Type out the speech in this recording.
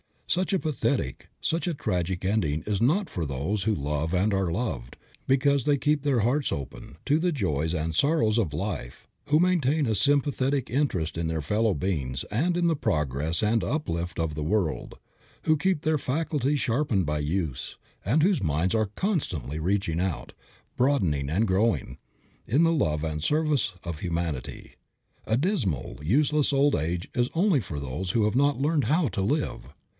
Such a pathetic, such a tragic ending is not for those who love and are loved, because they keep their hearts open to the joys and sorrows of life; who maintain a sympathetic interest in their fellow beings and in the progress and uplift of the world; who keep their faculties sharpened by use, and whose minds are constantly reaching out, broadening and growing, in the love and service of humanity. A dismal, useless old age is only for those who have not learned how to live.